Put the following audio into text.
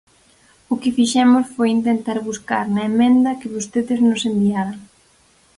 O que fixemos foi intentar buscar na emenda que vostedes nos enviaran.